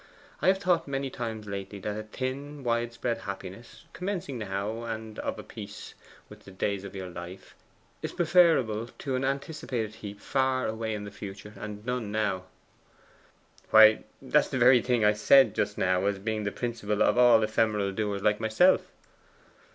I have thought many times lately that a thin widespread happiness, commencing now, and of a piece with the days of your life, is preferable to an anticipated heap far away in the future, and none now.' 'Why, that's the very thing I said just now as being the principle of all ephemeral doers like myself.